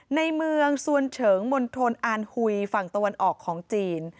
ในเมืองสวนเฉิงมณฑลอานหุยฝั่งตะวันออกของจีน